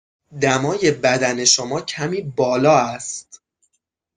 دمای بدن شما کمی بالا است.